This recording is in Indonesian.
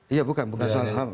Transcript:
iya bukan bukan soal hal